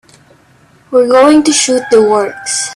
We're going to shoot the works.